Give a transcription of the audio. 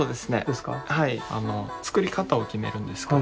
あの作り方を決めるんですけど